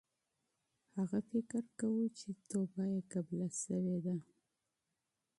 هغه سوچ کاوه چې توبه یې قبوله شوې ده.